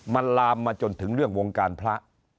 มันลามมาจนถึงเรื่องวงการพระ